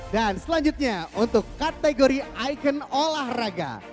dan selanjutnya untuk kategori ikon olahraga